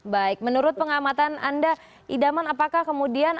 baik menurut pengamatan anda idaman apakah kemudian